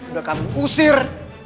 udah kamu usir